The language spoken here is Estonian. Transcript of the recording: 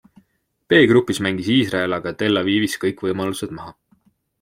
B-grupis mängis Iisrael aga Tel Avivis kõik võimalused maha.